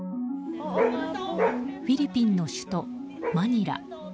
フィリピンの首都マニラ。